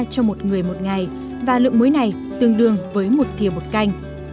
cho một người một ngày và lượng muối này tương đương với một thiều bột canh